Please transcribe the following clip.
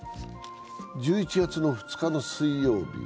１１月２日の水曜日。